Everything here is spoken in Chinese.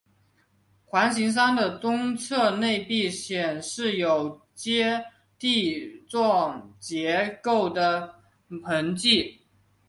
环形山的东侧内壁显示有阶地状结构的痕迹。